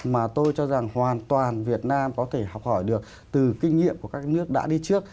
mà tôi cho rằng hoàn toàn việt nam có thể học hỏi được từ kinh nghiệm của các nước đã đi trước